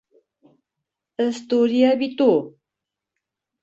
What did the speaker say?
Ыстурия бит у!